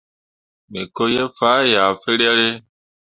Me ko ye faa yah firere.